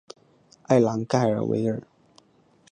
埃朗盖尔维尔。